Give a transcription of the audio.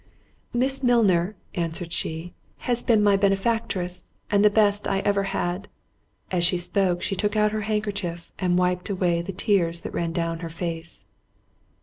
"Miss Milner," answered she, "has been my benefactress and the best I ever had." As she spoke, she took out her handkerchief and wiped away the tears that ran down her face.